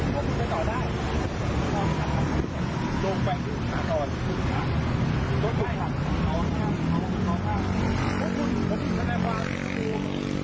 ก็พี่ทนายความรู้